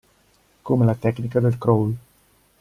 Come la tecnica del crawl.